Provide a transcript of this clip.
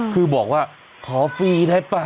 คือบอกว่าขอฟรีได้ป่ะ